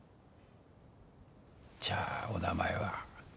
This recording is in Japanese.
じゃあお名前は？